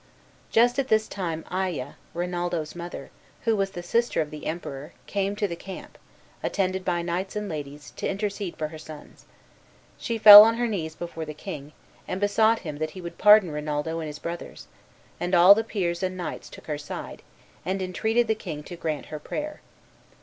Just at this time Aya, Rinaldo's mother, who was the sister of the Emperor, came to the camp, attended by knights and ladies, to intercede for her sons. She fell on her knees before the king, and besought him that he would pardon Rinaldo and his brothers: and all the peers and knights took her side, and entreated the king to grant her prayer.